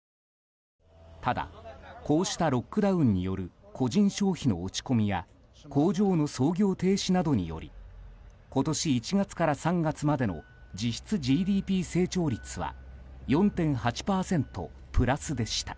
ただ、こうしたロックダウンによる個人消費の落ち込みや工場の操業停止などにより今年１月から３月までの実質ＧＤＰ成長率は４．８％プラスでした。